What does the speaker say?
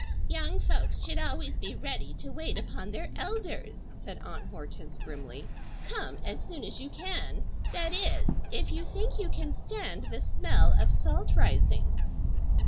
"Young folks should always be ready to wait upon their elders," said Aunt Hortense, grimly. "Come as soon as you can,—that is, if you think you can stand the smell of salt rising."